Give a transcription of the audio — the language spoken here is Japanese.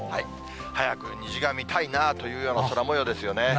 早く虹が見たいなというような空もようですよね。